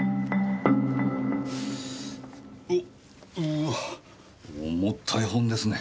うっうわぁ重たい本ですね。